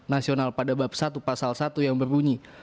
nasional pada bab satu pasal satu yang berbunyi